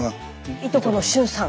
いとこの駿さん。